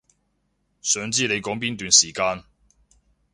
想知你講邊段時間